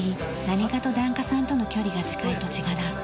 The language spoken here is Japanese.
何かと檀家さんとの距離が近い土地柄。